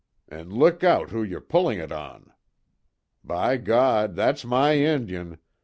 An' look out who yer pullin' it on!" "By God, that's my Injun!